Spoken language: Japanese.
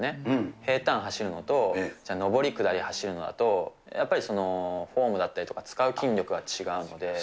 平たん走るのと、上り下り走るのだと、やっぱりフォームだったりとか、使う筋力が違うので。